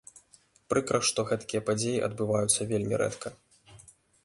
Прыкра, што гэткія падзеі адбываюцца вельмі рэдка.